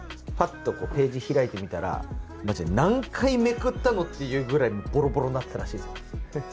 パッとこうページ開いてみたらマジで何回めくったのっていうぐらいボロボロになってたらしいです。